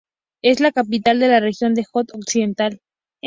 Es la capital de la región de Hod Occidental.